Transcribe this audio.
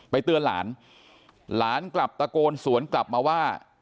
เตือนหลานหลานกลับตะโกนสวนกลับมาว่า